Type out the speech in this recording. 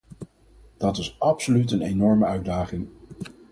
Dat is absoluut een enorme uitdaging.